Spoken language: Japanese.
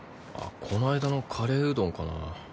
あっこの間のカレーうどんかな？